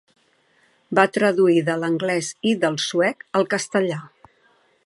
Va traduir de l'anglès i del suec al castellà.